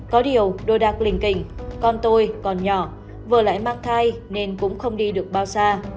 có điều đồ đạc linh kình con tôi còn nhỏ vừa lại mang thai nên cũng không đi được bao xa